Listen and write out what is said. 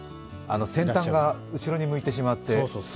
先端が後ろに向いてしまって。